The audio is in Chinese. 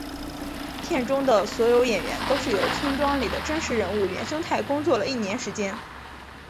片中的所有演员都是由村庄里的真实人物原生态工作了一年时间。